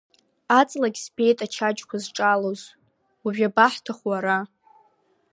Аҵлагь збеит ачаџьқәа зҿалоз уажә иабаҳҭаху ара!